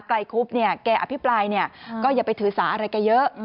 ใกล้คุบอภิปรายก็อย่าไปถือสาอะไรกันเยอะ